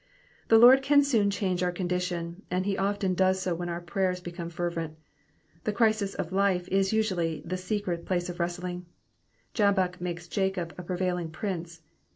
The Lord can soon change our condition, and he often does so when our prayers become fervent. The crisis of life is usually the secret place of wrestling. Jabbok makes Jacob a prevailing prince.